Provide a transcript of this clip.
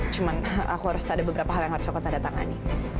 cuma aku harus ada beberapa hal yang harus aku tanda tangani